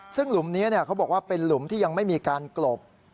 ซึ่งหลุมนี้เขาบอกว่าเป็นหลุมที่ยังไม่มีการกลบ